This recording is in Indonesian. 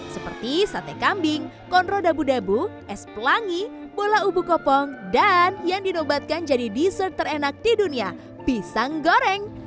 seperti sate kambing konro dabu dabu es pelangi bola ubu kopong dan yang dinobatkan jadi dessert terenak di dunia pisang goreng